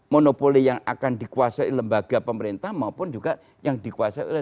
monopoli yang akan dikuasai lembaga pemerintah maupun juga yang dikuasai oleh